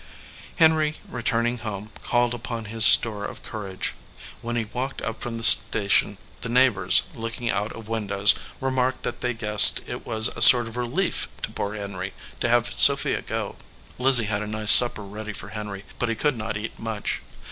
Henry, returning home, called upon all his store of courage. When he walked up from the station, the neighbors, looking out of windows, remarked that they guessed it was a sort of relief to poor Henry to have Sophia go. Lizzie had a nice supper ready for Henry, but he could not eat much.